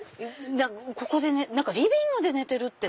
ここでリビングで寝てるって。